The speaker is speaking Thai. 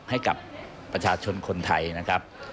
ให้กับประชาชนคนไทยนะครับ